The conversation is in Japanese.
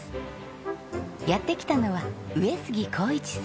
やって来たのは上杉晃一さん